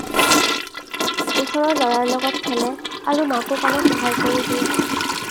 ওচৰৰ ল'ৰাৰ লগত খেলে আৰু মাকো কামত সহায় কৰি দিয়ে।